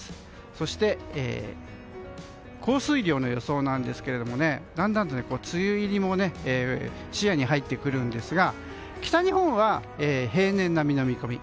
そして降水量の予想ですけどもだんだんと梅雨入りも視野に入ってくるんですが北日本は平年並みの見込み。